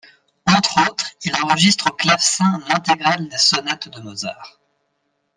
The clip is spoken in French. Entre autres, il enregistre au clavecin l'intégrale des sonates de Mozart.